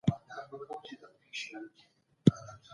پلاوي په نړیواله غونډه کي ګډون وکړ.